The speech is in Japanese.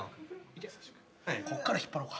こっから引っ張ろか。